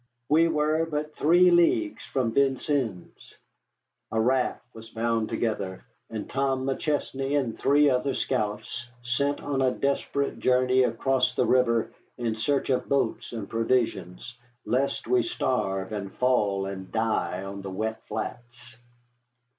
We were but three leagues from Vincennes. A raft was bound together, and Tom McChesney and three other scouts sent on a desperate journey across the river in search of boats and provisions, lest we starve and fall and die on the wet flats.